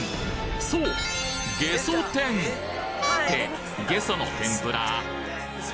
そうってゲソの天ぷら！？